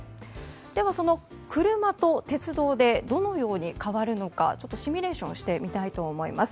では、車と鉄道でどのように変わるのかシミュレーションしてみたいと思います。